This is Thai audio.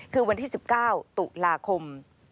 คือวันที่๑๙ตุลาคม